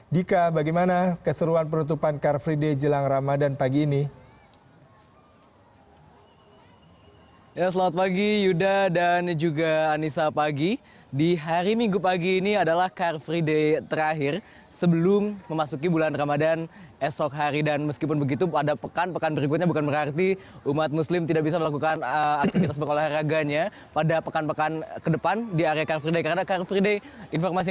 dika bagaimana keseruan penutupan car free day jelang ramadan pagi ini